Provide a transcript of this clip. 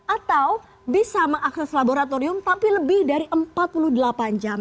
atau bisa mengakses laboratorium tapi lebih dari empat puluh delapan jam